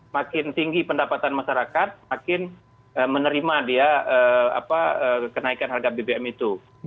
makin tinggi pendapatan masyarakat makin menerima dia kenaikan harga bbm itu